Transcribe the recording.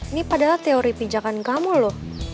ini padahal teori pijakan kamu loh